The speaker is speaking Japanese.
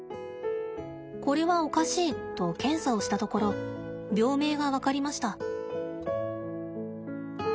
「これはおかしい！」と検査をしたところ病名が分かりました。